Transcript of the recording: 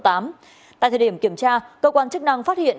tại thời điểm kiểm tra cơ quan chức năng phát hiện